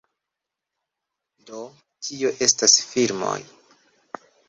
Do, tio estas filmoj